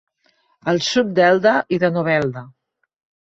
Al sud d'Elda i de Novelda.